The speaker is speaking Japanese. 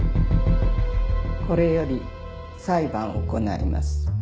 これより裁判を行います